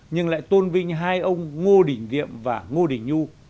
nhưng lại tôn vinh hai ông ngô đình diệm và ngô đình nhu